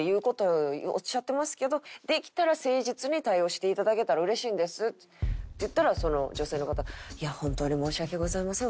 「できたら誠実に対応していただけたらうれしいんです」って言ったらその女性の方「本当に申し訳ございません。